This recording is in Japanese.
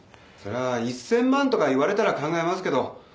そりゃあ１，０００万とか言われたら考えますけど。